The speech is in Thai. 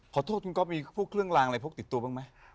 ขอโทษคุณก๊อฟมีพวกเครื่องลางอะไรพกติดตัวบ้างไหม